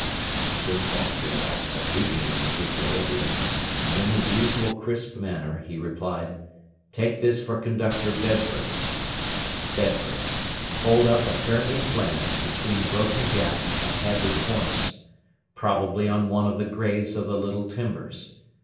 The despatcher at "X" had regained his equilibrium, and in his usual crisp manner he replied: "Take this for Conductor Bedford: "Bedford: Hold up apparently planned between Broken Gap and Hadley Corners. Probably on one of the grades of the Little Timbers.